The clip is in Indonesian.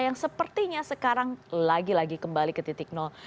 yang sepertinya sekarang lagi lagi kembali ke titik nol